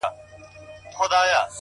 ستا له تصويره سره-